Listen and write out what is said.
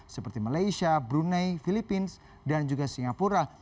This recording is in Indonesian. seperti malaysia brunei filipina dan juga singapura